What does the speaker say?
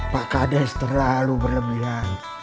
pak kades terlalu berlebihan